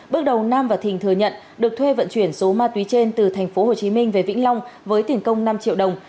bước đầu nam và thình thừa nhận được thuê vận chuyển số ma túy trên từ tp hcm về vĩnh long với tiền công năm triệu đồng